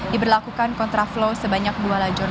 diberlakukan kontra flow sebanyak dua lajur